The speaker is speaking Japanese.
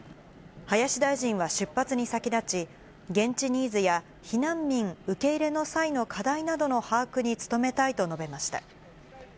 林大臣は出発に先立ち、現地ニーズや避難民受け入れの際の課題などの把握に努めたいと述べました。